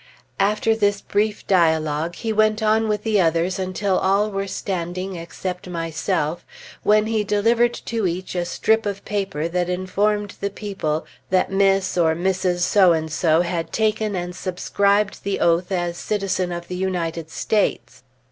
After this brief dialogue, he went on with the others until all were standing except myself, when he delivered to each a strip of paper that informed the people that Miss, or Mrs. So and So had taken and subscribed the oath as Citizen of the United States.